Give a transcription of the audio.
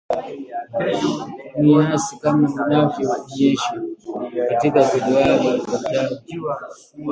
ni hasi kama inavyo onyeshwa katika jedwali ifuatayo